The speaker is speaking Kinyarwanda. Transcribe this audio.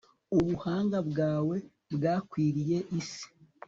ubuhanga bwawe bwakwiriye isi